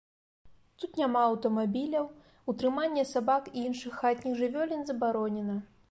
Тут няма аўтамабіляў, утрыманне сабак і іншых хатніх жывёлін забаронена.